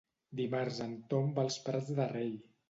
Dimarts en Ton va als Prats de Rei.